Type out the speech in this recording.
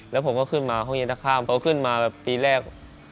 แล้วผมก็ขึ้นมาห้องเย็นทะค่าผมก็ขึ้นมาปีแรก